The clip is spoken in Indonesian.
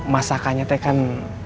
masakannya teh kan